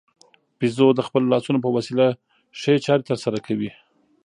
بیزو د خپلو لاسونو په وسیله ښې چارې ترسره کوي.